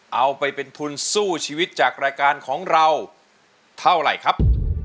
เอาไปเป็นทุนสู้ชีวิตจากรายการของเราเท่าไหร่ครับ